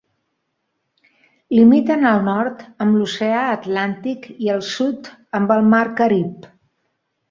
Limiten al nord amb l'oceà Atlàntic i al sud amb el mar Carib.